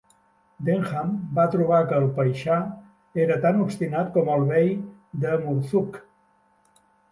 Denham va trobar que el paixà era tan obstinat com el bei de Murzuk.